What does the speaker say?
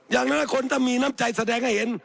อย่างน้อยคนถ้ามีน้ำใจแสดงให้เห็น